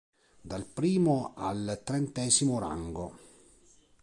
Dal primo al trentesimo rango.